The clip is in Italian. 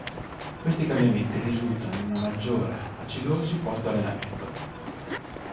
Questi cambiamenti risultano in una maggiore acidosi post-allenamento.